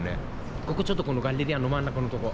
ここちょっとこのガッレリアの真ん中のとこ。